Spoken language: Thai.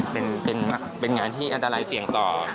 เป็นน่ะเป็นงานที่อันตรายเสี่ยงต่อ